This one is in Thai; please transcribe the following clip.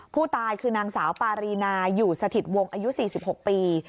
ผู้ตายคือนางสาวปารีนาอยู่สถิตวงอายุ๔๖ปี